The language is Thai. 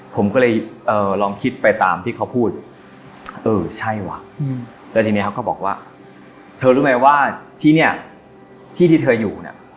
ผมก็เลยเอ่อลองคิดไปตามที่เขาพูดเออใช่ว่ะแล้วทีนี้เขาก็บอกว่าเธอรู้ไหมว่าที่เนี่ยที่ที่เธออยู่เนี่ย